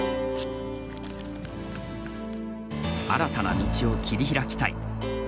新たな道を切り開きたい。